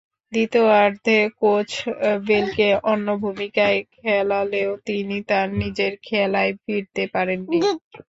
দ্বিতীয়ার্ধে কোচ বেলকে অন্য ভূমিকায় খেলালেও তিনি তাঁর নিজের খেলায় ফিরতে পারেননি।